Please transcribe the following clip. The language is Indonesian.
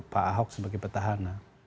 pak ahok sebagai petahana